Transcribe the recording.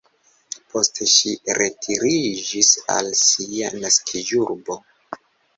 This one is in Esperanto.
Poste ŝi retiriĝis al sia naskiĝurbo.